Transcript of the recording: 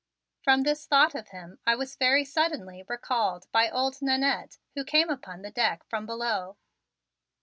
From this thought of him I was very suddenly recalled by old Nannette who came upon the deck from below.